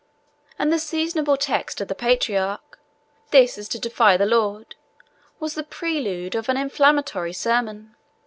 and the seasonable text of the patriarch, "This is the day of the Lord!" was the prelude of an inflammatory sermon.